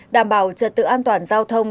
đảm bảo trật tự an toàn giao thông